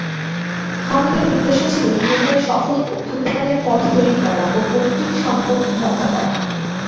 হামিদের উদ্দেশ্য ছিল ইয়েমেনে সফল অভ্যুত্থানের পথ তৈরী করা ও "পৈতৃক সম্পদ" রক্ষা করা।